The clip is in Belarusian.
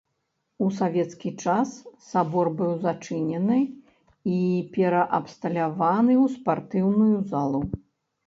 У савецкі час сабор быў зачынены і пераабсталяваны ў спартыўную залу.